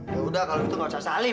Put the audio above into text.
yaudah kalo itu nggak usah salim